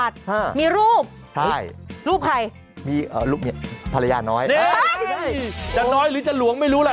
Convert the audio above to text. จะน้อยหรือจะหลวงไม่รู้ล่ะ